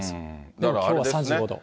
でもきょうは３５度。